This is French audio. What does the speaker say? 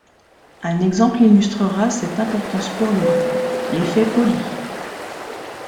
Un exemple illustrera cette importance pour lui ː l'effet Pauli.